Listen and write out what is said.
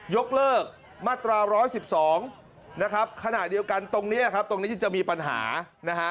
ยกเลิกมาตรา๑๑๒นะครับขณะเดียวกันตรงนี้ครับตรงนี้จะมีปัญหานะฮะ